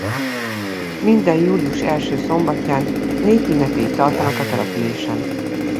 Minden július első szombatján népünnepélyt tartanak a településen.